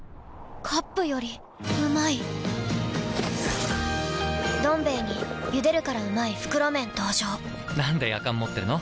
カップよりうまい「どん兵衛」に「ゆでるからうまい！袋麺」登場なんでやかん持ってるの？